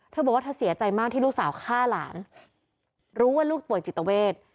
เธอบอกว่าเธอเสียใจมากที่ลูกสาวฆ่าหลานรู้ว่าลูกป่วยจิตเวท